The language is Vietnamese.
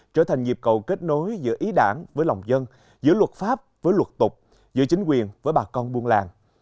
trở thành nhịp cầu kết nối giữa ý đảng với lòng dân giữa luật pháp với luật tục giữa chính quyền với bà con buôn làng